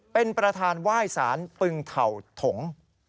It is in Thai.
เป็นประธานไหว้สารปึงเถ่าถง